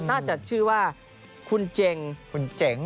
น่าจะชื่อว่าคุณเจ๋ง